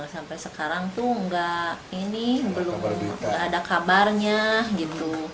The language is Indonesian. sampai sekarang tuh nggak ini belum ada kabarnya gitu